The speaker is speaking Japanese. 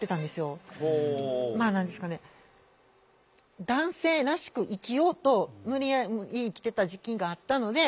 まあ何ですかね男性らしく生きようと無理やり生きてた時期があったので。